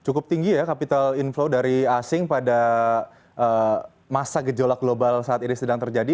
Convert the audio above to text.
cukup tinggi ya capital inflow dari asing pada masa gejolak global saat ini sedang terjadi